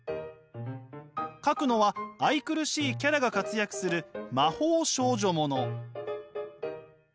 描くのは愛くるしいキャラが活躍する魔法少女もの。